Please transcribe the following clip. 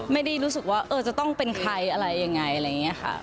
ไม่ได้รู้สึกว่าจะต้องเป็นใครอะไรยังไงอะไรอย่างนี้ค่ะ